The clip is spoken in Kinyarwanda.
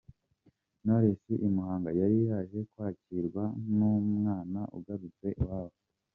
Knowless i Muhanga yari yaje kwakirwa nk'umwana ugarutse iwabo.